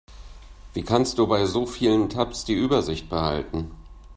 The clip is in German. Wie kannst du bei so vielen Tabs die Übersicht behalten?